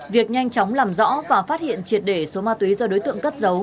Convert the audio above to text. việc nhanh chóng làm rõ và phát hiện triệt để số ma túy do đối tượng cất giấu